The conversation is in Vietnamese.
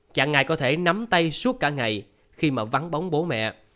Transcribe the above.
chẳng ai có thể nắm tay suốt cả ngày khi mà vắng bóng bố mẹ